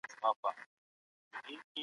د دښمن په وړاندې هم د انصاف خبره مه هېروئ.